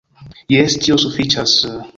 Jes, tio sufiĉas...